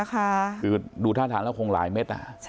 คือดูท่าทางแล้วคงหลายเม็ด